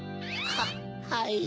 はい。